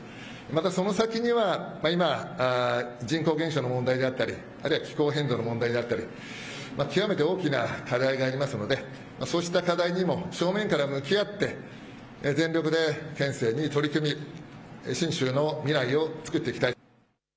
またその先には今、人口減少の問題であったりあるいは気候変動の問題だったり極めて大きな課題がありますのでそうした課題にも正面から向き合って全力で県政に取り組み、信州の未来をつくっていきたい。